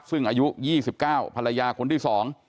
ซึ่งอายุ๒๙ภรรยาคนที่๒